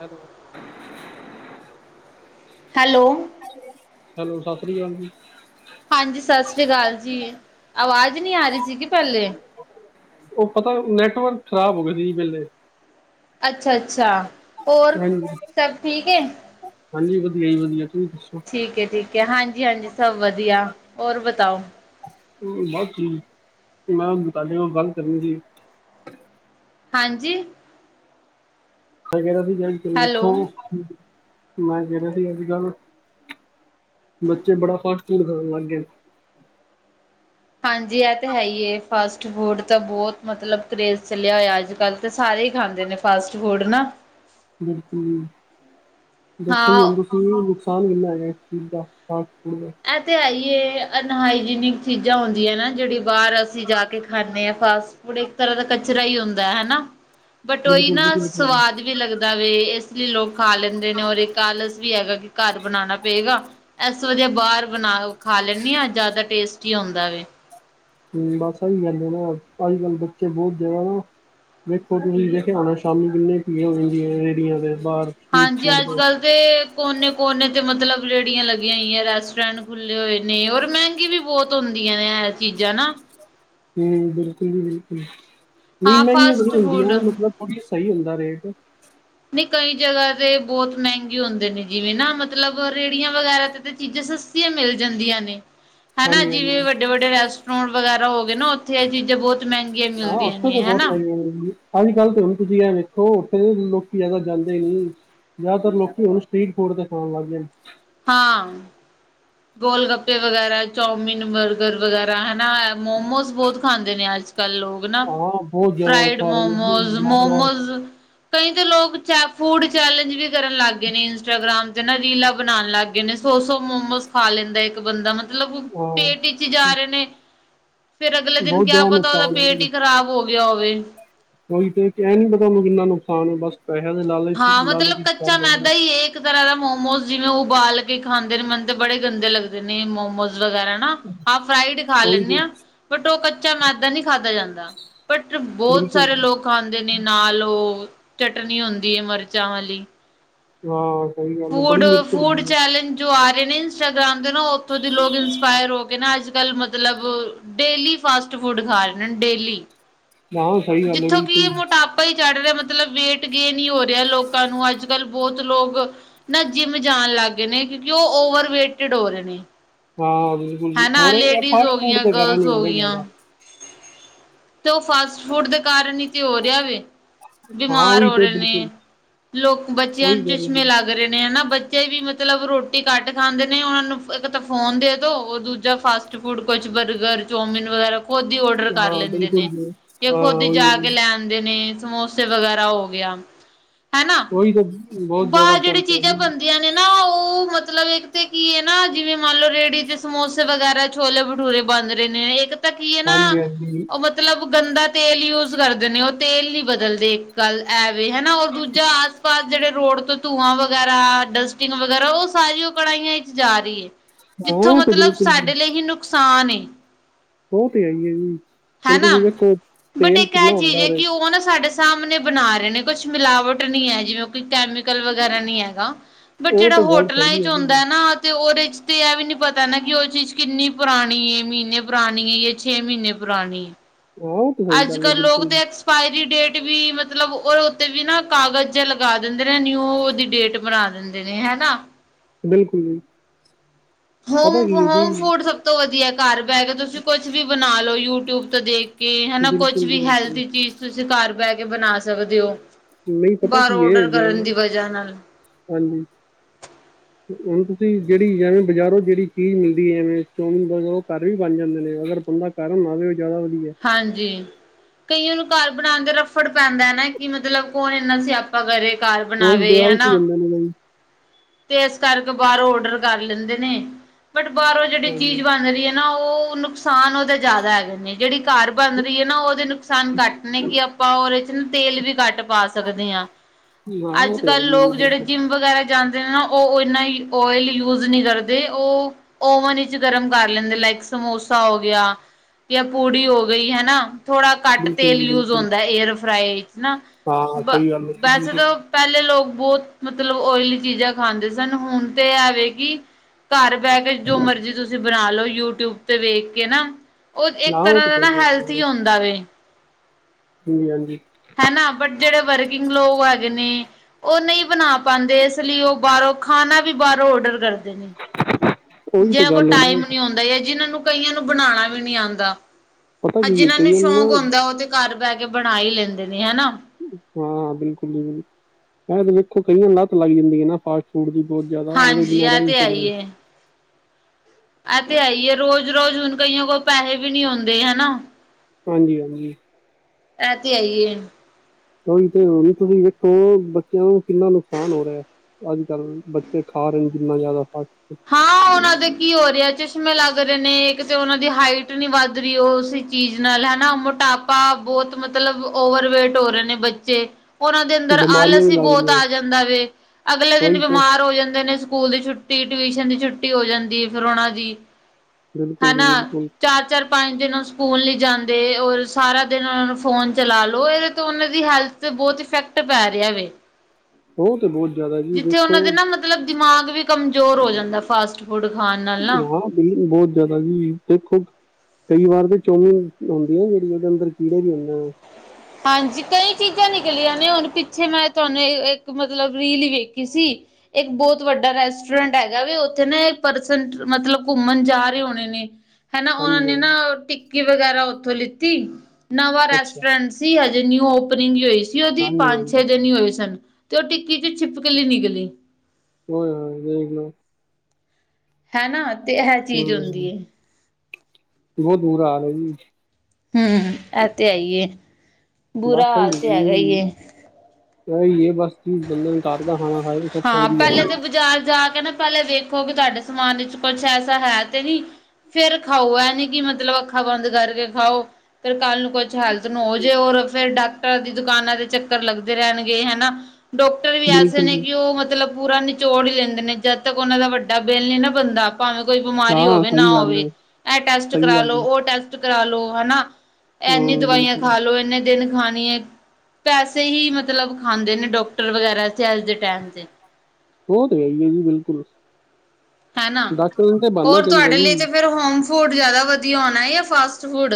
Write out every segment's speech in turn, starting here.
Hello hello hello Sat Sri ਅਕਾਲ ਜੀ ਹਾਂਜੀ ਸਤਿ ਸ਼੍ਰੀ ਅਕਾਲ ਜੀ ਆਵਾਜ਼ ਨਹੀਂ ਆ ਰਹੀ ਸੀ ਕੀ ਪਹਿਲੇ ਉਹ ਪਤਾ ਨੈਟਵਰਕ ਖ਼ਰਾਬ ਹੋ ਗਿਆ ਸੀ ਜੀ ਪਹਿਲੇ ਅੱਛਾ ਅੱਛਾ ਹੋਰ ਹਾਂਜੀ ਸਭ ਠੀਕ ਹੈ ਹਾਂਜੀ ਵਧੀਆ ਜ ਵਧੀਆ ਤੁਸੀਂ ਦੱਸੋ ਠੀਕ ਹੈ ਠੀਕ ਹੈ ਹਾਂਜੀ ਹਾਂਜੀ ਸਭ ਵਧੀਆ ਹੋਰ ਬਤਾਓ ਬਸ ਠੀਕ ਮੈਂ ਤੁਹਾਡੇ ਨਾਲ ਗੱਲ ਕਰਨੀ ਸੀ ਹਾਂਜੀ ਵਗੈਰਾ ਵੀ ਜਾਚ ਕਰਕੇ ਹੈਲੋ ਵੇਖੋ ਮੈਂ ਜਿਨਾਂ ਦੀ ਗੱਲ ਬੱਚੇ ਬੜਾ ਫਾਸਟ ਫੂਡ ਖਾਣ ਲੱਗ ਗਏ ਨੇ ਹਾਂਜੀ ਇਹ ਤਾਂ ਹੈ ਹੀ ਹੈ ਫਾਸਟ ਫੂਡ ਤਾਂ ਬਹੁਤ ਮਤਲਬ ਕਰੇਜ਼ ਚਲਿਆ ਹੋਇਆ ਅੱਜ ਕੱਲ੍ਹ ਤਾਂ ਸਾਰੇ ਹੀ ਖਾਂਦੇ ਨੇ ਫਾਸਟ ਫੂਡ ਨਾ ਬਿਲਕੁਲ ਦੇਖੋ ਹਾਂ ਜੀ ਚ ਨੁਕਸਾਨ ਕਿੰਨਾ ਹੈਗਾ ਇਸ ਚੀਜ਼ ਦਾ ਫਾਸ ਫੂਡ ਦਾ ਇਹ ਤਾਂ ਆ ਹੀਏ ਅਨਹਾਈਜੀਨਿਕ ਚੀਜ਼ਾਂ ਹੁੰਦੀਆਂ ਨਾ ਜਿਹੜੀ ਬਾਹਰ ਅਸੀਂ ਜਾ ਕੇ ਖਾਂਦੇ ਹਾਂ ਫਾਸਟ ਇੱਕ ਤਰ੍ਹਾਂ ਦਾ ਕਚਰਾ ਹੀ ਹੁੰਦਾ ਹਨਾ ਬਟ ਉਹੀ ਬਿਲਕੁਲ ਨਾ ਬਿਲਕੁਲ ਸਵਾਦ ਵੀ ਲੱਗਦਾ ਦਾਵੇ ਇਸ ਲਈ ਲੋਕ ਖਾ ਲੈਂਦੇ ਨੇ ਔਰ ਇਹ ਆਲਸ ਵੀ ਹੈਗਾ ਘਰ ਬਣਾਉਣਾ ਪਏਗਾ ਇਸ ਵਜ੍ਹਾ ਬਾਹਰ ਬਣਾ ਖਾ ਲੈਂਦੀ ਹਾਂ ਜ਼ਿਆਦਾ ਟੇਸਟੀ ਆਉਂਦਾ ਵ ਹਮ ਬਸ ਸਹੀ ਗੱਲ ਹੈ ਨਾ ਅੱਜ ਕੱਲ੍ਹ ਬੱਚੇ ਬਹੁਤ ਜਿਆਦਾ ਨਾ ਦੇਖੋ ਤੁਸੀਂ ਜਦੋਆਉਣਾ ਸ਼ਾਮੀ ਕਿੰਨੀ ਭੀੜ ਹੁੰਦੀ ਏ ਰੇਹੜੀਆਂ ਦੇ ਬਾਹਰ ਸਟਰੀਟ ਹਾਂਜੀ ਫੂਡ ਅੱਜ ਦੇ ਕੱਲ ਤੇ ਕੋਨੇ ਕੋਨੇ ਤੇ ਮਤਲਬ ਰੇੜੀਆਂ ਲੱਗੀਆਂ ਹੋਈਆਂ ਰੈਸਟੋਰੈਂਟ ਖੁੱਲੇ ਹੋਏ ਨੇ ਔਰ ਮਹਿੰਗੀ ਵੀ ਬਹੁਤ ਹੁੰਦੀਆਂ ਨੇ ਇਹ ਚੀਜ਼ਾਂ ਨਾ ਹਮ ਬਿਲਕੁਲ ਜੀ ਬਿਲਕੁਲ ਨਹੀਂ ਹਾਂ ਮਹਿੰਗੀਆਂ ਫਾਸਟ ਹੁੰਦੀਆਂ ਫੂਡ ਮਤਲਬ ਸਹੀ ਹੁੰਦਾ ਰੇਟ ਨਹੀਂ ਕਈ ਜਗ੍ਹਾ ਤੇ ਬਹੁਤ ਮਹਿੰਗੇ ਹੁੰਦੇ ਨੇ ਜਿਵੇਂ ਨਾ ਮਤਲਬ ਰੇਹੜੀਆਂ ਵਗੈਰਾ ਤੇ ਚੀਜ਼ਾਂ ਸ ਕੀ ਏ ਮਿਲ ਜਾਂਦੀਆਂ ਨੇ [inaudible] ਹਨਾ ਜਿਵੇਂ ਵੱਡੇ ਵੱਡੇ ਰੈਸਟੋਰੈਂਟ ਵਗੈਰਾ ਹੋ ਗਏ ਨਾ ਇਹ ਚੀਜ਼ਾਂ ਬਹੁਤ ਮਹਿੰਗੀਆਂ ਮਿਲਦੀਆਂ ਨੇ ਹਨਾ ਤੇਰੇ ਲਈ ਅੱਜ ਕੱਲ ਤਾਂ ਹੁਣ ਤੁਸੀਂ ਐ ਵੇਖੋ ਉੱਥੇ ਲੋਕੀ ਜ਼ਿਆਦਾ ਜਾਂਦੇ ਨੀ ਜ਼ਿਆਦਾਤਰ ਲੋਕੀ ਉਹਨੂੰ ਸਟਰੀਟ ਫੂਡ ਤੇ ਖਾਣ ਲੱਗ ਗਏ ਨੇ ਹਾਂ ਗੋਲ ਗੱਪੇ ਵਗੈਰਾ ਚੌਮਿਨ ਬਰਗਰ ਵਗੈਰਾ ਹਨਾ ਮੋਮੋਸ ਬਹੁਤ ਖਾਂਦੇ ਨੇ ਅੱਜ ਕੱਲ੍ਹ ਲੋਕ ਹਾਂ ਬਹੁਤ ਜ਼ਿਆਦਾ ਫਰਾਾਈਡ ਖਾ ਰਹੇ ਨੇ ਜੀ ਮੋਮੋਜ ਮੋਮੋਸ ਮੋਮੋਜ਼ ਕਈ ਤਾਂ ਲੋਕ ਚ ਫੂਡ ਚੈਲੇਂਜ ਵੀ ਕਰਨ ਲੱਗ ਗਏ ਨੇ ਇੰਸਟਾਗ੍ਰਾਮ ਰੀਲਾਾਂ ਬਣਾਉਣ ਲੱਗ ਗਏ ਨੇ ਸੋ ਸੋ ਮੋਮੋਸ ਖਾ ਲੈਂਦਾ ਇੱਕ ਬੰਦਾ ਮਤਲਬ ਹਾਂ ਪੇਟ ਖਿੱਚੀ ਜਾ ਰਹੇ ਨੇ ਫੇਿਰ ਅਗਲੇ ਦਿਨ ਬਹੁਤ ਕਿਆ ਜ਼ਿਆਦਾ ਪਤਾ ਉਹਦਾ ਨੁਕਸਾਨ ਪੇਟ ਹੀ ਖ਼ਰਾਬ ਹੋ ਗਿਆ ਹੋਵੇ ਕੋਈ ਤੇ ਕਹਿ ਨੀ ਪਤਾ ਤੁਾਨੂੰ ਕਿੰਨਾ ਨੁਕਸਾਨ ਹੈ ਬਸ ਪੈਸਿਆਂ ਦੇ ਲਾਲਚ ਹਾਂ ਲਾਲਚ ਮਤਲਬ ਚੀਜ਼ ਕਰ ਕੱਚਾ ਲੈਂਦੇ ਆ ਮੈਦਾ ਹੀ ਏ ਇੱਕ ਤਰ੍ਹਾਂ ਦਾ ਮੋਮੋਸ ਜਿਵੇਂ ਉਬਾਲ ਕੇ ਖਾਂਦੇ ਨੇ ਮਨ ਤੇ ਬੜੇ ਗੰਦੇ ਲੱਗਦੇ ਨੇ ਮੋਮੋਸ ਵਗੈਰਾ ਨਾ ਫਰਾਈਡ ਖਾ ਉਹੀ ਤੇ ਲੈਂਣੇ ਆ ਬਟ ਉਹ ਕੱਚਾ ਮੈਦਾ ਨਹੀਂ ਖਾਂਦਾ ਜਾਂਦਾ ਬਟ ਬਹੁਤ ਬਿਲਕੁਲ ਸਾਰੇ ਲੋਕ ਖਾਂਦੇ ਨੇ ਨਾਲ ਉਹ ਚਟਣੀ ਹੁੰਦੀ ਥੀ ਮਿਰਚਾ ਵਾਲੀ ਹਾਂ ਸਹੀਏ ਫੂਡ ਫੂਡ ਚੈਲੇਂਜ ਜੋ ਆ ਰਹੇ ਨੇ ਇੰਸਟਾਗ੍ਰਾਮ ਦੇ ਨਾ ਉੱਥੋਂ ਦੇ ਲੋਕ ਇੰਸਪਾਇਰ ਹੋ ਅੱਜ ਕੱਲ ਮਤਲਬ ਡੇਲੀ ਫਾਸਟ ਫੂਡ ਖਾ ਰਹੇ ਡੇਲੀ [unintelligible] ਜਿੱਥੋਂ ਕਿ, ਬਿਲਕੁਲ ਇਹ ਮੋਟਾਪਾ ਹੀ ਚੜ੍ਹ ਰਿਹਾ ਮਤਲਬ ਵੇਟ ਗੇਨ ਹੀ ਹੋ ਰਿਹਾ, ਲੋਕਾਂ ਨੂੰ ਅੱਜ ਕੱਲ੍ਹ ਬਹੁਤ ਲੋਕ ਨਾ ਜਿੰਮ ਜਾਣ ਲੱਗ ਗਏ ਨੇ, ਕਿਉਂਕਿ ਉਹ ਓਵਰਵੇਟਡ ਹੋ ਰਹੇ ਨੇ। ਹਾਂ ਬਿਲਕੁਲ ਜੀ ਹੋ ਹਨਾ ਰਹੇ ਲੇਡੀਜ਼ ਫਾਸਟ ਹੋ ਫੂਡ ਗਿਆਂ, ਦੇ ਕਾਰਨ ਗਰਲਜ਼ ਹੀ ਹੋ ਰਹੇ ਗਿਆਂ। ਜ਼ਿਆਦਾ ਤੇ ਉਹ ਫਾਸਟ ਫੂਡ ਦੇ ਕਾਰਨ ਹੀ ਤੇ ਹੋ ਰਿਹਾ ਵੇ। ਹਾਂ ਬਿਮਾਰ ਉਹੀ ਹੋ ਤੇ ਰਹੇ ਬਿਲਕੁਲ ਨੇ, ਲੋਕ ਬੱਚਿਆਂ ਉਹੀ ਨੂੰ ਗੱਲ ਚਸ਼ਮੇ ਹੈ ਲੱਗ ਰਹੇ ਨੇ ਹਨਾ ਬੱਚੇ ਵੀ ਮਤਲਬ ਰੋਟੀ ਘੱਟ ਖਾਂਦੇ ਨੇ ਉਹਨਾਂ ਨੂੰ ਇੱਕ ਤਾਂ ਫੋਨ ਦੇ ਦੋ ਉਹ ਦੂਜਾ ਫਾਸਟ ਫੂਡ ਕੁਛ ਬਰਗਰ, ਚੌਮਿਨ ਵਗੈਰਾ, ਖੁਦ ਹੀ ਓਰਡਰ ਕਰ ਹਾਂ ਲੈਂਦੇ ਨੇ। ਬਿਲਕੁਲ ਜੀ ਯਾ ਹਾਂ ਖੁਦ ਹੀ ਉਹੀ ਜਾ ਕੇ ਹੈ ਲੈਦੇ ਨੇ, ਸਮੋਸੇ ਵਗੈਰਾ ਹੋ ਗਿਆ ਹਨਾ। ਉਹੀ ਤੇ ਬੋਹਤ ਜਾਦਾ ਬਾਹਰ ਜਿਹੜੀ ਚੱਲ ਪਿਆ ਚੀਜ਼ਾਂ ਨਾ। ਬਣਦੀਆਂ ਨੇ ਨਾ ਉਹ ਮਤਲਬ ਇੱਕ ਤੇ ਕੀ ਹੈ ਨਾ ਜਿਵੇਂ ਮੰਨ ਲਓ ਰੇਹੜੀ ਤੇ ਸਮੋਸੇ ਵਗੈਰਾ ਛੋਲੇ ਭਠੂਰੇ ਬਣ ਰਹੇ ਨੇ ਇੱਕ ਤਾਂ ਕੀ ਹੈ ਨਾ ਹਾਂਜੀ ਹਾਂਜੀ ਉਹ ਮਤਲਬ ਗੰਦਾ ਤੇਲ ਯੂਜ ਕਰਦੇ ਨੇ ਉਹ ਤੇਲ ਨੀ ਬਦਲਦੇ। ਗੱਲ ਐਵੇ ਹਨਾ ਰ ਦੂਜਾ ਆਸ ਪਾਸ ਜਿਹੜੇ ਰੋਡ ਤੋਂ ਧੂੰਆਂ ਵਗੈਰਾ, ਡਸਟਿੰਗ ਵਗੈਰਾ, ਉਹ ਸਾਰੀਆਂ ਕੜਹੀਆਂ ਵਿਚ ਜਾ ਰਹੀ ਹੈ। ਜਿੱਥੋਂ ਹਾਂ ਤੇ ਮਤਲਬ ਬਿਲਕੁਲ ਜੀ ਸਾਡੇ ਲਈ ਹੀ ਨੁਕਸਾਨ ਏ। ਉਹ ਤੇ ਹੈ ਹੀ ਹੈ ਜੀ ਹੁਣ ਹਨਾ, ਤੁਸੀਂ ਵੇਖੋ ਬਟ ਤੇਲ ਇੱਕ ਇਹ ਕਿੰਨਾ ਹੁੰਦਾ ਚੀਜ਼ ਹੈ ਉਹਦੇ ਕਿ ਉਹ ਨਾ ਸਾਡੇ ਸਾਹਮਣੇ ਬਣਾ ਰਹੇ ਨੇ ਕੁਛ ਮਿਲਾਵਟ ਨੀ ਹੈ, ਜਿਵੇਂ ਕੋਈ ਕੈਮੀਕਲ ਵਗੈਰਾ ਨੀ ਹੈਗਾ। ਬਟ ਉਹ ਜਿਹੜਾ ਤੇ ਗੱਲ ਹੋਟਲਾਂ ਸਹੀ ਵਿਚ ਹੈ ਜੀ ਹੁੰਦਾ ਨਾ ਤੇ ਉਹਦੇ ਚ ਤੇ ਇਹ ਵੀ ਨੀ ਪਤਾ ਨਾ, ਕਿ ਉਹ ਚੀਜ਼ ਕਿੰਨੀ ਪੁਰਾਣੀ ਏ, ਮਹੀਨੇ ਪੁਾਨਣੀ ਹੈ, ਜਾਂ ਛੇ ਮਹੀਨੇ ਪੁਰਾਣੀ ਹਾਂ ਉਹ ਤਾਂ ਸਹੀ ਅੱਜ ਗੱਲ ਹੈ ਕੱਲ ਲੋਕ ਬਿਲਕੁਲ ਤੇ ਐ ਪਾਇਰੀ ਡੇਟ ਵੀ ਮਤਲਬ ਉਹਦੇ ਉੱਤੇ ਵੀ ਨਾ ਕਾਗਜ਼ ਲਗਾ ਦਿੰਦੇ ਨੇ, ਨਿਊ ਦੀ ਡੇਟ ਬਣਾ ਦਿੰ ਦੇ ਨੇ ਹਨਾ। ਬਿਲਕੁਲ ਜੀ। ਹੋਮ, ਪਤਾ ਕੀ ਹੈ ਹੋਮ ਜੀ ਫੂਡ ਸਭ ਤੋਂ ਵਧੀਆ, ਘਰ ਬਹਿ ਕੇ ਤੁਸੀਂ ਕੁਛ ਵੀ ਬਣਾ ਲਓ ਯੂਟਿਊਬ ਤੋਂ ਦੇਖ ਕੇ ਹਨਾ ਕੁਛ ਬਿਲਕੁਲ ਜੀ ਵੀ ਹੈਲਥ ਬਿਲਕੁਲ ਚੀਜ਼ ਤੁਸੀਂ ਘਰ ਬਹਿ ਕੇ ਬਣਾ ਸਕਦੇ ਹੋ। ਨਹੀਂ ਪਤਾ ਕੀ ਬਾਹਰੋਂ ਹੈ ਔਡਰ ਕਰਨ ਜਿਵੇਂ ਦੀ ਵਜ੍ਹਾ ਨਾਲ। ਹਾਂਜੀ। ਹੁਣ ਤੁਸੀਂ ਜਿਹੜੀ ਜਿਵੇਂ ਬਜ਼ਾਰੋਂ ਜਿਹੜੀ ਚੀਜ਼ ਮਿਲਦੀ ਹੈ, ਜਿਵੇਂ ਚੌਮਿਨ ਵ ਉਹ ਘਰ ਵੀ ਬਣ ਜਾਂਦੇ ਨੇ ਅਗਰ ਬੰਦਾ ਘਰ ਬਣਾ ਲਏ ਓ ਜਾਦਾ ਵਧੀਆ। ਹਾਂਜੀ ਕਈਆਂ ਨੂੰ ਉਹ ਨੂੰ ਘਰ ਬਣਾਉਣ ਤੇ ਰੱਫੜ ਪੈਂਦਾ ਹੈ, ਨਾ ਕਿ ਮਤਲਬ ਕੌਣ ਇੰਨਾ ਸਿਆ ਪਾਂ ਕਰੇ ਘਰ ਉਹ ਬਣਾਵੇ ਹਨਾ। [unintelligible] ਤੇ ਇਸ ਕਰਕੇ ਬਾਹਰੋਂ ਔਡਰ ਕਰ ਲੈਂਦੇ ਨੇ ਬਟ ਬਾਹਰੋਂ ਜਿਹੜੀ ਚੀਜ਼ ਹਾਂਜੀ ਬਣ ਰਹੀ ਹੈ ਨਾ ਉਹ ਨੁਕਸਾਨ ਉਹਦੇ ਜਾਦਾ ਹੈਗੇ ਨੇ, ਜਿਹੜੀ ਘਰ ਬਣ ਰਹੀ ਹੈ ਨਾ ਉਹਦੇ ਨੁਕਸਾਨ ਘੱਟ ਨੇ ਕਿ ਆਪਾਂ ਉਹਦੇ ਚ ਨਾ ਤੇਲ ਵੀ ਕੱਟ ਪਾ ਸਕਦੇ ਹਾਂ ਹਾਂ ਉਹ ਅੱਜ ਤੇ ਹੈ ਕੱਲ੍ਹ ਹੀ ਹੈ ਲੋਕ ਜਿਹੜੇ ਬਿਲਕੁਲ ਜਿਮ ਵਗੈਰਾ ਜਾਂਦੇ ਨੇ ਨਾ ਉਹ ਇਨਾ ਓਇਲ ਯੂਜ ਨੀ ਕਰਦੇ ਉਹ ਓਵਨ ਵਿੱਚ ਗਰਮ ਕਰ ਲੈਂਦੇ ਲਾਇਕ ਸਮੋਸਾ ਹੋ ਗਿਆ ਜਾਂ ਪੂੜੀ ਹੋ ਗਈ ਹਨਾ। ਥੋੜ੍ਹਾ ਘੱਟ ਬਿਲਕੁਲ ਤੇਲ ਜੀ ਯੂਜ ਬਿਲਕੁਲ ਹੁੰਦਾ ਏਅਰ ਫਰਾਈ ਵਿੱਚ ਨਾ ਹਾਂ ਸਹੀ ਗੱਲ ਹੈ ਜੀ ਵੈਸੇ ਤੇ ਬਿਲਕੁਲ ਪਹਿਲੇ ਲੋਕ ਬਹੁਤ ਮਤਲਬ ਓਇਲੀ ਚੀਜ਼ਾਂ ਖਾਂਦੇ ਸਨ, ਹੁਣ ਤੇ ਇਹ ਆਵੇ ਕਿ ਘਰ ਬਹਿ ਕੇ ਜੋ ਮਰਜੀ ਤੁਸੀਂ ਬਨਾ ਲੋ ਯੂਟਿਊਬ ਤੇ ਵੇਖ ਕੇ ਨਾ। ਉਹ ਇੱਕ ਉਹ ਤਰ੍ਹਾਂ ਤੇ ਦਾ ਨਾ ਸਹੀ ਗੱਲ ਹੈਲਥੀ ਹੁੰਦਾ ਵੇ। ਹਾਂਜੀ-ਹਾਂਜੀ। ਹਨਾ ਬਟ ਜਿਹੜੇ ਵਰਗਿੰਗ ਲੋਕ ਹੈਗੇ ਨੇ, ਉਹ ਨਹੀਂ ਬਣਾ ਪਾਉਂਦੇ ਇਸ ਲਈ ਉਹ ਬਾਹਰੋਂ ਖਾਣਾ ਵੀ ਬਾਰੋਂ ਔਡਰ ਕਰਦੇ ਨੇ। ਹ। ਜਿਨਾਂ ਕੋਲ ਟਾਈਮ ਨੀ ਹੁੰਦਾ ਯਾ ਜਿਨਾਂ ਨੂੰ ਕਈਆਂ ਨੂੰ ਬਣਾਣਾ ਵੀ ਨੀ ਆਦਾ। ਪਤਾ ਹ ਕੀ ਹੈ ਜਿਨਾਂ ਨੂੰ ਕਈਆਂ ਨਾ ਸ਼ੌਕ ਹੁੰਦਾ ਉਹ ਤੇ ਘਰ ਬਹਿ ਕੇ ਬਣਾ ਹੀ ਲੈਂਦੇ ਨੇ ਹਨਾ। ਹਾਂ ਬਿਲਕੁਲ ਜੀ ਬਿਲਕੁਲ, ਐ ਤੇ ਵੇਖੋ ਕਈ ਵਾਰੀ ਲੱਤ ਲੱਗ ਜਾਂਦੀ ਹੈ ਨਾ ਫਾਸਟ ਫੂਡ ਦੀ ਬਹੁਤ ਜ਼ਿਆਦਾ, ਉਹਦੇ ਹਾਂਜੀ ਬਿਨਾਂ ਇਹ ਰਹਿ ਨੀ ਤੇ ਸਕਦੇ। ਐ ਤੇ ਹੇਈਏ ਰੋਜ਼ ਰੋਜ਼ ਹੁਣ ਕਈਔ ਕੋ ਪੈਹੇ ਵੀ ਨੀ ਹੁਂਦੇ ਹੈਨਾ। ਹਾਂਜੀ ਹਾਂਜੀ ਐ ਤੇ ਹੈਈ ਏ। [unintelligible] ਕਿੰਨਾ ਨੁਕਸਾਨ ਹੋ ਰਯੇ, ਅੱਜ- ਕੱਲ ਬੱਚੇ ਖਾ ਰੇ ਨੇ ਕਿੰਨਾ ਜਾਦਾ ਫਾਸਟ ਫੂਡ [inaudible] ਪਤਾ ਕੀ ਹੋ ਰਹਾ, ਚਸ਼ਮੇ ਲੱਗ ਰੇ ਨੇ, ਇੱਕ ਤੇ ਓਨਾਂ ਦੀ ਹਾਈਟ ਨੀ ਵੱਧ ਰੀ ਉਹ ਚੀਜ਼ ਨਾਲ ਹੈਨਾ, ਮੋਟਾਪਾ ਬੋਤ ਮਤਲਬ ਓਵਰਵੇਟ ਹੋ ਰੇ ਨੇ ਬੱਚੇ। ਓਨਾਂ ਦੇ ਅੰਦਰ ਬਿਮਾਰੀਆਂ ਆਲਸ ਵੀ ਹੀ ਲੱਗ ਬੋਤ ਰਹੀਆਂ ਆ ਜਾਂਦਾ ਵੇ, ਅਗਲੇ ਦਿਨ ਉਹੀ ਤੇ ਬਿਮਾਰ ਹੋ ਜਾਂਦੇ ਨੇ ਸਕੂਲ ਦੀ ਛੁੱਟੀ ਟਵੀਸ਼ਨ ਦੀ ਛੁੱਟੀ ਹੋ ਜਂਦੀ ਹੈ ਫੇਰ ਓਣਾ ਦੀ, ਬਿਲਕੁਲ ਜੀ ਹੈਨਾ। ਬਿਲਕੁਲ ਚਾਰ ਚਾਰ -ਪੰਜ ਦਿਨ ਓ ਸਕੂਲ ਨੀ ਜਾਂਦੇ, ਔਰ ਸਾਰਾ ਦਿਨ ਓਨਾ ਨੂੰ ਫ਼ੋਨ ਚਲਾ ਲੋ ਏਦੇ ਤੋਂ ਓਨਾ ਦੀ ਹੈਲਥ ਤੇ ਬੋਤ ਇਫੈਕਟ ਪੈ ਰਿਆ ਵੇ। ਓ ਤੇ ਬੋਤ ਜਾਦਾ ਜਿੱਥੇ ਓਨਾਂ ਦੇ ਨਾ ਮਤਲਬ ਦਿਮਾਗ ਵੀ ਕਮਜ਼ੋਰ ਹੋ ਜਾਂਦਾ ਫਾਸਟ ਫੂਡ ਖਾਣ ਨਾਲ ਨਾ। [inaudible] ਬੋਤ ਜਾਦਾ ਜੀ ਕਈ ਵਾਰ ਤਾਂ ਚੌਮੀਨ ਹੋਂਦੀ ਐ ਜੇੜੀ, ਓਦੇ ਅੰਦਰ ਕੀੜੇ ਵੀ ਹੁੰਦੇ ਨੇ। ਹਾਂਜੀ, ਕਈ ਚੀਜ਼ਾਂ ਨਿਕਲੀਆਂ ਨੇ ਹੁਣ ਪਿੱਛੇ ਮੈਂ ਤੋਹਾਨੂੰ ਏੱਕ--ਮਤਲਬ ਰੀਲ ਹੀ ਵੇਖੀ ਸੀ। ਏੱਕ ਬੋਤ ਵੱਡਾ ਰੈਸਟੋਰੈਂਟ ਹੈਗਾ ਵੇ, ਉੱਥੇ ਨਾ ਏੱਕ ਪਰਸਨ ਮਤਲਬ ਘੁੰਮਣ ਜਾ ਰੇ ਹੋਣੇ ਨੇ। ਹੇਨਾ, ਹਾਂਜੀ ਓਨਾਂ ਨੇ ਨਾ ਹਾਂਜੀ ਟਿੱਕੀ ਵਗੈਰਾ ਉੱਥੋਂ ਲਿੱਤੀ ਨਵਾਂ ਅੱਛਾ ਰੈਸਟੋਰੈਂਟ ਸੀ ਹਜੇ ਨਿਊ ਓਪਨਿੰਗ ਹੋਈ ਸੀ ਓਦੀ, ਹਾਂਜੀ ਪੰਜ -ਛੇ ਹਾਂਜੀ ਦੇਨ ਹੀ ਹੋਏ ਸਨ। ਤੇ ਓ ਟਿੱਕੀ ਚ ਛਿਪਕਲੀ ਨਿਕਲੀ। [inaudible] ੳਹ! ਵੇਖਲੋ ਹੈਨਾ ਤੇ ਇਹ ਚੀਜ਼ ਹਮ ਹੁੰਦੀ ਹੈ। ਬੋਤ ਬੂਰਾ ਹਾਲ ਏ ਜੀ। ਹਮ ਏ ਤੇ ਹੈ ਹੇਈ ਏ, ਬੁਰਾ ਹਾਲ ਤੇ ਹੈਗਾ ਈ ਏ। ਅਈ ਏ ਬਸ [unintelligible] ਘਰ ਦਾ ਖਾਣਾ ਖਾਏ ਸਭ ਤੋਂ ਹਾਂ, ਵਧੀਆ ਪਹਿਲੇ ਤੇ ਬਜ਼ਾਰ ਜਾ ਕੇ ਨਾ ਪਹਿਲੇ ਵੇਖੋ ਕੇ ਤੋਆਡੇ ਸਮਾਨ ਵਿੱਚ ਕੋਛ ਐਸਾ ਹੈ ਤੇ ਨੀ ਫੇਰ ਖਾਓ, ਐ ਨੀ ਕਿ ਮਤਲਬ ਅੱਖਾਂ ਬੰਦ ਕਰਕੇ ਖਾਓ। ਫੇਰ ਕੱਲ ਨੂੰ ਕੋਛ ਹੈਲਥ ਨੂੰ ਹੋ ਜੇ, ਔਰ ਫੇਰ ਡਾਕਟਰ ਦੀ ਦੁਕਾਨਾਂ ਦੇ ਚੱਕਰ ਲੱਗਦੇ ਰਹਣਗੇ ਹੇਨਾ। ਡੋਕਟਰ ਵੀ ਐਸੇ ਬਿਲਕੁਲ ਨੇ ਜੀ ਓਹ ਮਤਲਬ ਪੂਰਾ ਨਿਚੋੜ ਹੀ ਦੇਂਦੇ ਨੇ, ਜਦ ਤੱਕ ਓਨਾਂ ਦਾ ਵੱਡਾ ਬੇੱਲ ਨੀ ਨਾ ਬਨਦਾ। ਪਾਵੇਂ ਕੋਈ ਬਮਾਰੀ ਹਾਂ ਹੋਵੇ ਨਾ ਸਹੀ ਗੱਲ ਹੋਵੇ ਹੈ -ਏ ਟੈਸਟ ਸਹੀ ਕਰਾ ਗੱਲ ਲੋ, ਹੈ ਓ ਟੈਸਟ ਕਰਾ ਲੋ, ਹਨਾ। ਏਨੀ ਹਾਂ ਦਵਾਈਆਂ ਬਿਲਕੁਲ ਖਾ ਲੋ, ਏਨੇ ਦਿਨ ਖਾਣੀ ਏ, ਪੈਸੇ ਹੀ ਮਤਲਬ ਖਾਂਦੇ ਨੇ ਡੋਕਟਰ ਵਗੈਰਾ ਅੱਜ [unintelligible] ਦੇ ਟੇਮ ਤੇ। ਓ ਤੇ ਹੈ ਈ ਏ ਜੀ ਬਿਲਕੁਲ- ਹੈਨਾ ਡਾਕਟਰ ਨੂੰ ਤੇ ਭਾਨਾ ਔਰ ਚਾਈਦਾ ਤੁਹਾਡੇ ਲਈ ਜੀ। ਤੇ ਫਿਰ ਹੋਮ ਫੂਡ ਜਾਦਾ ਵਧੀਆ ਹੋਣਾ ਏ, ਯਾ ਫਾਸਟ ਫੂਡ?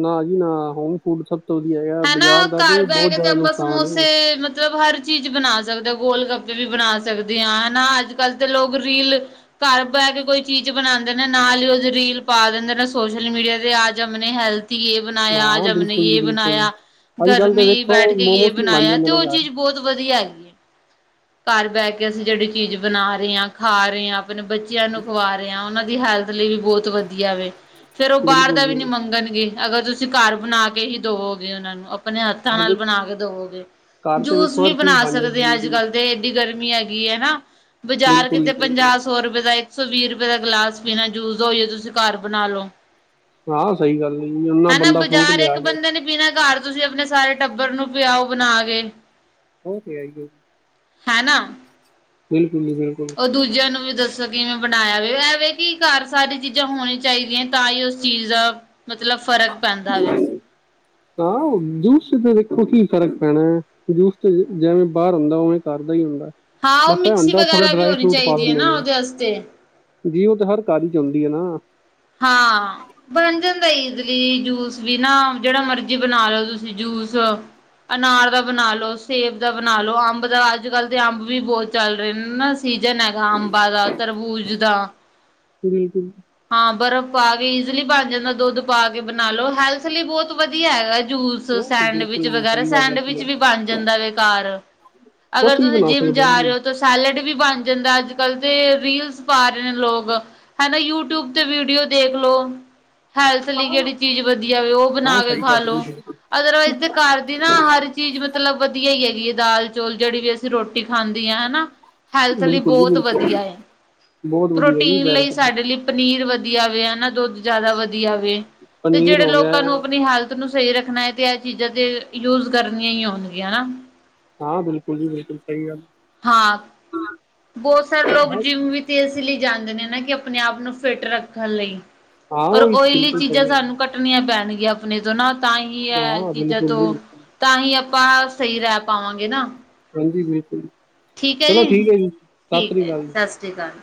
ਨਾ ਜੀ ਨਾ, ਹੋਮ ਫੂਡ ਸਭ ਤੋਂ ਵਧੀਆ ਹੈਗਾ ਹੈਨਾ, ਬਾਜ਼ਾਰ ਦਾ ਕਰ ਤੇ ਬੈ ਬਹੁਤ ਕੇ ਤੇ ਜ਼ਿਆਦਾ ਅਪਾਂ ਨੁਕਸਾਨ ਹੈ ਸਮੋਸੇ ਮਤਲਬ, ਹਰ ਚੀਜ਼ ਬਨਾ ਸਕਦੇ ਗੋਲ ਗੱਪੇ ਵੀ ਬਨਾ ਸਕਦੇ ਹਾਂ ਹਨਾ, ਅੱਜ ਕੱਲ੍ਹ ਤੇ ਲੋਕ ਰੀਲ ਘਰ ਬੈ ਕੇ ਕੋਈ ਚੀਜ਼ ਬਨਾਂਦੇ ਨੇ, ਨਾਲ ਹੀ ਓਦੀ ਰੀਲ ਪਾ ਦੇੰੰਦੇ ਨੇ ਸੋਸ਼ਲ ਮੀਡੀਆ ਤੇ ਹਮ ਨੇ ਹੈਲਥੀ ਯੇ ਬਨਯਾ, ਆਜ ਹਾਂ ਹਮਨੇ ਬਿਲਕੁਲ ਜੀ ਯੇ ਬਿਲਕੁਲ ਬਨਾਯਾ। ਅੱਜ ਘਰ ਕੱਲ੍ਹ ਮੇ ਤੇ ਈ ਵੇਖੋ ਬੈਠ ਕੇ ਯੇ ਮੋਮੋਸ ਹੀ ਬਣ ਬਨਾਯਾ, ਜਾਂਦੇ ਤੇ ਨੇ ਓ ਘਰ ਚੀਜ਼ ਬੋਤ ਵਧੀਆ ਹੈਗੀ ਐ, ਕਰ ਬੈਠ ਕੇ ਅਸੀਂ ਜੇੜੀ ਚੀਜ਼ ਬਨਾ ਰੇ ਆ, ਖਾ ਰੇ ਆ, ਅਪਣੇ ਬੱਚੇਆਂ ਨੂੰ ਖੁਵਾ ਰੇ ਆ, ਓਨਾਂ ਦੀ ਹੈਲਥ ਲੀ ਵੀ ਬੋਤ ਵਧੀਆ ਵੇ। ਫੇਰ ਓ ਬਾਰ ਬਿਲਕੁਲ ਦਾ ਜੀ ਵੀ ਨੀ ਮੰਗਣਗੇ ਅਗਰ ਤੁਸੀਂ ਕਾਰ ਬਣਾ ਕੇ ਹੀ ਦੋਵੋਗੇ ਓਨਾਂ ਨੂੰ। ਅਪਨੇ ਹੱਥਾਂ ਹਾਂ ਨਾਲ ਵੀ ਬਣਾ ਕੇ ਦੋਵੋਗੇ, ਘਰ ਤੇ ਜੂਸ ਵੇਖੋ ਵੀ ਹਰ ਚੀਜ਼ ਬਣਾ ਬਣ ਜਾਂਦੀ ਸਕਦੇ ਆ ਹੈ ਜੀ ਅੱਜ-ਕੱਲ। ਤੇ ਏਡੀ ਗਰਮੀ ਹੈਗੀ ਏ ਨਾ, ਬਜ਼ਾਰ ਬਿਲਕੁਲ ਕਿਤੇ ਜੀ ਬਿਲਕੁਲ ਪੰਜਾ- ਸੌ ਰੁਪਏ ਦਾ, ਏਕ ਸੌ ਵੀ ਰੁਪਏ ਦਾ ਗਲਾਸ ਪੀਣਾ ਜੂਸ ਦ ਓਈਯੋ ਤੁਸੀਂ ਕਾਰ ਬਣਾ ਲੋ। ਹਾਂ ਸਹੀ ਗੱਲ ਏ ਨਨਾ ਹਨਾ ਬੰਦਾ ਫਰੂਟ ਬਾਜ਼ਾਰ ਲਿਆ ਇੱਕ ਕੇ ਬੰਦੇ ਨੇ ਪੀਣਾ ਕਾਰ ਤੁਸੀਂ ਆਪਣੇ ਸਾਰੇ ਟੱਬਰ ਨੂੰ ਪਿਆਓ ਬਣਾ ਕੇ। ਓ ਤੇ ਐ ਈ ਏ। ਹੈਨਾ- ਬਿਲਕੁੱਲ ਜੀ ਬਿਲਕੁੱਲ। ਉਹ ਦੂਜਿਆਂ ਨੂੰ ਵੀ ਦੱਸੋ ਕਿਵੇਂ ਬਣਾਇਆ ਵੇ ਐ ਵੇਂ ਕਿ ਘਰ ਸਾਰੀ ਚੀਜ਼ਾਂ ਹੋਣੀ ਚਾਹੀਦੀਆਂ। ਤਾਂ ਈ ਉਸ ਚੀਜ਼ ਦਾ ਮਤਲਬ ਫ਼ਰਕ ਪੈਂਦਾ ਵੇ ਹਾਂ ਓ ਜੂਸ ਦਾ ਵੇਖੋ ਕੀ ਫਰਕ ਪੈਣਾ ਜੂਸ ਤੇ ਜੈਵੇਂ ਬਾਰ ਹੁੰਦਾ ਉਵੇਂ ਕਾਰ ਦਾ ਈ ਹੁੰਦਾ। ਹਾਂ ਉਹ ਬਸ ਐ ਮਿਕਸੀ ਹੁੰਦਾ ਥੋੜਾ ਵਗੈਰਾ ਵੀ ਡਰਾਈ ਹੋਣੀ ਫਰੂਟ ਪਾ ਚਾਹੀਦੀ ਹੈ ਦਿੰਦੇ ਨਾ ਨੇ ਓ ਉਹਦੇ ਵਾਸਤੇ ਜੀਭ ਤੇ ਹਰ ਕਾਰ ਚ ਹੁੰਦੀ ਏ ਨਾ ਹਾਂ। ਬਣ ਜਾਂਦਾ ਇਜਲੀ ਜੂਸ ਵੀ ਨਾ ਜੇੜਾ ਮਰਜੀ ਬਣਾ ਲੋ ਤੁਸੀਂ ਜੂਸ ਅਨਾਰ ਦਾ ਬਣਾ ਲੋ, ਸੇਬ ਦਾ ਬਣਾ ਲੋ, ਅੰਬ ਦਾ ਅੱਜ-ਕੱਲ ਤੇ ਅੰਬ ਵੀ ਬੋਤ ਚੱਲ ਰੇ ਨੇ ਨਾ ਸੀਜਨ ਹੈਗਾ ਅੰਬਾ ਦਾ, ਤਰਬੂਜ ਦਾ ਬਿਲਕੁੱਲ- ਹਾਂ ਬਰਫ਼ ਪਾ ਕੇ ਈਜ਼ਲੀ ਬਣ ਜਾਂਦਾ ਦੁੱਧ ਪਾ ਕੇ ਬਣਾ ਲੋ ਹੈਲੱਥ ਲਈ ਬੋਹਤ ਵਧੀਆ ਹੈਗਾ। ਜੂਸ ਉਹ ਤੇ ਬਿਲਕੁਲ ਸੈਂਡਵਿਚ ਜੀ ਵਗੈਰਾ ਸਹੀ ਗੱਲ ਹੈਗੀ ਸੈਂਡਵਿਚ ਹੈ ਵੀ ਬਣ ਜਾਂਦਾ ਵੇ ਕਾਰ ਅਗਰ ਕੁਛ ਵੀ ਤੁਸੀਂ ਬਣਾ ਜਿੰਮ ਸਕਦੇ ਜਾ ਹਾਂ ਰੇ ਜੀ ਓ ਸੈਲਡ ਵੀ ਬਣ ਜਾਂਦਾ ਅੱਜ-ਕੱਲ੍ਹ ਤੇ ਰੀਲਸ ਪਾ ਰੇ ਨੇ ਲੋਕ ਹੈਨਾ ਯੂ ਟਊਬ ਤੇ ਵੀਡੀਓ ਦੇਖ ਲੋ ਹੈਲੱਥ ਲਈ ਕੇੜੀ ਚੀਜ਼ ਵਧੀਆ ਵੇਖ ਓ ਬਣਾ ਹਾਂ ਕੇ ਸਹੀ ਖਾ ਗੱਲ ਹੈ ਲੋ। ਜੀ ਬਿਲਕੁਲ। ਅਦਰਵਾਈਜ਼ ਦੇ ਘਰ ਦੀ ਨਾ ਹਰ ਚੀਜ਼ ਮਤਲਬ ਵਧੀਆ ਹੈ ਹੈਗੀ ਏ ਦਾਲ ਚੌਲ ਜੇੜੀ ਵੀ ਅ ਰੋਟੀ ਖਾਂਦੀ ਆ ਹੈਨਾ ਹੈਲਥ ਲਈ ਬਿਲਕੁਲ ਜੀ ਬੋਤ ਬਿਲਕੁਲ ਵਧੀਆ ਏ ਬਹੁਤ ਵਧੀਆ ਜੀ ਪ੍ਰੋਟੀਨ ਵੈਰੀ ਲਈ ਗੁੱਡ। ਸਾਡੇ ਲਈ ਪਨੀਰ ਵਧੀਆ ਵੇ ਹੈਨਾ ਦੁੱਧ ਜ਼ਿਆਦਾ ਵਧੀਆ ਵੇ ਤੇ ਪਨੀਰ ਜੇੜੇ ਹੋ ਗਿਆ ਲੋਕਾਂ ਨੂੰ ਆਪਣੀ ਹੈਲੱਥ ਨੂੰ ਸਹੀ ਰੱਖਣਾ ਐ ਤੇ ਇਹ ਚੀਜ਼ਾਂ ਤੇ ਯੂਜ ਕਰਨੀਆਂ ਹੋਣਗੀਆਂ ਨਾ- ਹਾਂ ਬਿਲਕੁੱਲ ਜੀ ਬਿਲਕੁੱਲ ਸਹੀ ਗੱਲ ਹਾਂ ਬੋਤ ਸਾਰੇ ਲੋਕ ਜਿਮ ਵੀ ਇਸ ਲਈ ਜਾਂਦੇ ਨੇ ਨਾ ਕਿ ਆਪਣੇ ਆਪ ਨੂੰ ਫਿੱਟ ਰੱਖਣ ਲਈ। ਹਾਂ ਔਰ ਉਹ ਓਇਲੀ ਬਿਲਕੁਲ ਸਹੀ ਚੀਜ਼ਾਂ ਗੱਲ ਸਾਨੂੰ ਕੱਟਣੀਆਂ ਪੈਣਗੀਆਂ ਅਪਣੇ ਤੋਂ ਨਾ ਤਾਂ ਹੀ ਇਹ ਹਾਂ ਚੀਜ਼ਾਂ ਬਿਲਕੁਲ ਜੀ ਤੋਂ ਬਿਲਕੁਲ ਤਾਂ ਹੀ ਆਪਾਂ ਸਹੀ ਰਹਿ ਪਾਵਾਂਗੇ ਨਾ ਹਾਂਜੀ ਬਿਲਕੁੱਲ ਠੀਕ ਹੈ ਚਲੋ ਠੀਕ ਏ ਜੀ ਸਤਿ ਠੀਕ ਸ੍ਰੀ ਹੈ ਅਕਾਲ। ਜੀ ਗੱਲ